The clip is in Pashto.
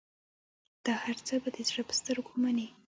دا هرڅه به د زړه په سترګو منې.